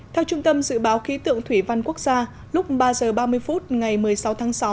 theo trung tâm dự báo khí tượng thủy văn quốc gia lúc ba h ba mươi phút ngày một mươi sáu tháng sáu